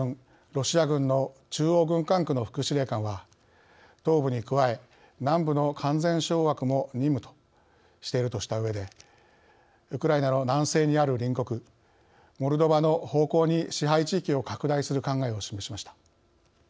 ロシア軍の中央軍管区の副司令官は「東部に加え南部の完全掌握も任務」としているとしたうえでウクライナの南西にある隣国モルドバの方向に支配地域を拡大する考えを示しました。